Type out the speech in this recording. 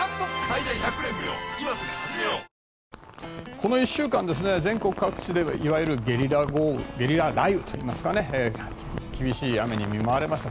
この１週間全国各地でいわゆるゲリラ豪雨、ゲリラ雷雨厳しい雨に見舞われました。